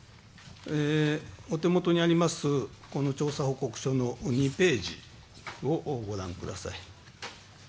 お手元にあります、この調査報告書の２ページをご覧ください。